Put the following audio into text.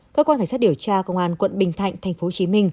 cơ quan cảnh sát điều tra công an quận bình thạnh tp hcm